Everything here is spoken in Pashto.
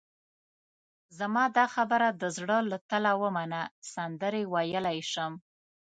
زما دا خبره د زړه له تله ومنه، سندرې ویلای شم.